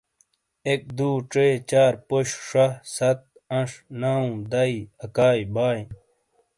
اک ۔۔دُو۔ ژے۔ چار پوش ۔شہ۔ ست انش۔ نو دائی۔ اکائی بائی۔۔۔۔